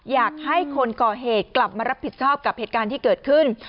อยากให้คนก่อเหตุกลับมารับผิดชอบกับเหตุการณ์ที่เกิดขึ้น